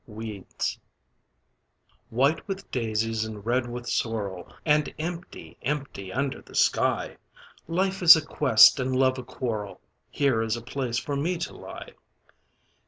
WEEDS White with daisies and red with sorrel And empty, empty under the sky! Life is a quest and love a quarrel Here is a place for me to lie.